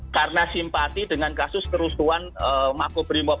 karena simpati dengan kasus kerusuhan makobrimob